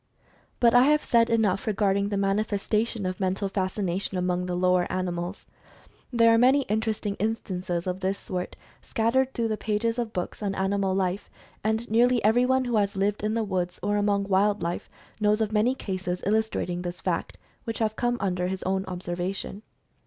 But I have said enough regarding the manifestation of Mental Fascination among the lower animals. There are many interesting instances of this sort, scattered through the pages of books on animal life, and nearly everyone who has lived in the woods, or among wild life knows of many cases illustrating this fact which have come under his own observation.